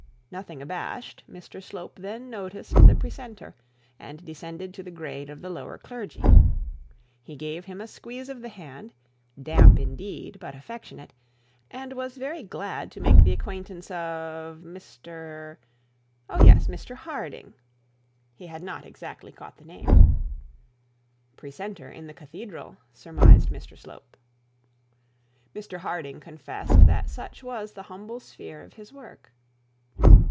Nothing abashed, Mr Slope then noticed the precentor, and descended to the grade of the lower clergy. He gave him a squeeze of the hand, damp indeed, but affectionate, and was very glad to make the acquaintance of Mr ; oh, yes, Mr Harding; he had not exactly caught the name 'Precentor in the cathedral' surmised Mr Slope. Mr Harding confessed that such was the humble sphere of his work.